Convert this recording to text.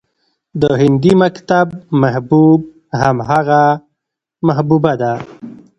د هندي مکتب محبوب همغه محبوبه ده